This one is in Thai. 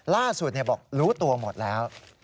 ล่าสุดบอกรู้ตัวหมดแล้ว